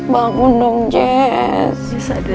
bangun dong jess